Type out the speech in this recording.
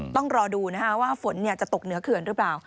ต้องรอดูว่าฝนจะตกเหนือเขื่อนหรือเปล่า